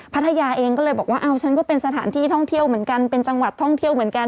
พัทยาเองก็เลยบอกว่าฉันก็เป็นสถานที่ท่องเที่ยวเหมือนกัน